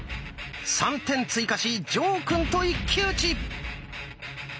３点追加し呈くんと一騎打ち！